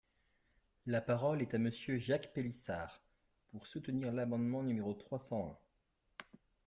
La parole est à Monsieur Jacques Pélissard, pour soutenir l’amendement numéro trois cent un.